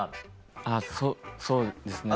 あぁそうですね。